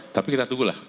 tapi kita tunggulah